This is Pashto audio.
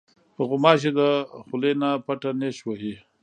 غوماشې د خولې نه پټه نیش وهي.